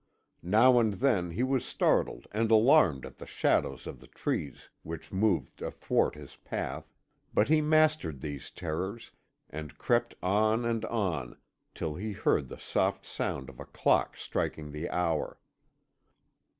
Now and then he was startled and alarmed at the shadows of the trees which moved athwart his path, but he mastered these terrors, and crept on and on till he heard the soft sound of a clock striking the hour.